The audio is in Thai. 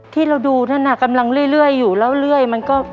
ที่เราดูนั่นน่ะกำลังเรื่อยอยู่แล้วเรื่อยมันก็